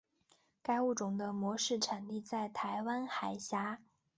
该物种的模式产地在台湾海峡。